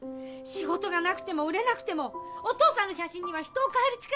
仕事がなくても売れなくてもお父さんの写真には人を変える力があるんです！